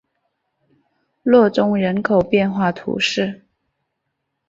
洛宗人口变化图示